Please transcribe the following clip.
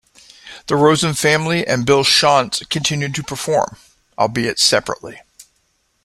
The Rosen Family and Bill Shontz continue to perform, albeit separately.